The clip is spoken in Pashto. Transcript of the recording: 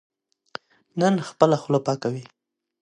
نن خپله خوله پاکوي.